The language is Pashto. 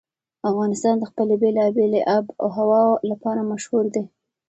افغانستان د خپلې بېلابېلې آب وهوا لپاره مشهور دی.